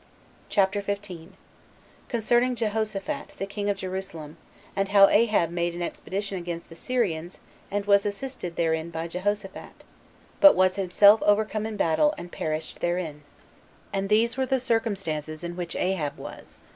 CHAPTER 15. Concerning Jehoshaphat The King Of Jerusalem And How Ahab Made An Expedition Against The Syrians And Was Assisted Therein By Jehoshaphat, But Was Himself Overcome In Battle And Perished Therein. 1. And these were the circumstances in which Ahab was.